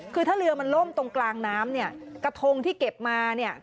คือถ้าเรือมันล่มตรงกลางน้ำเนี่ยกระทงที่เก็บมาเนี่ย